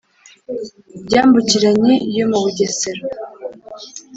ryambukiranye yo mubugesera